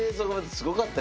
すごかった。